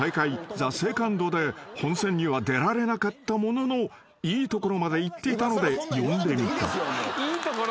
ＴＨＥＳＥＣＯＮＤで本戦には出られなかったもののいいところまでいっていたので呼んでみた］